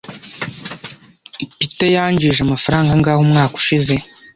Peter yinjije amafaranga angahe umwaka ushize?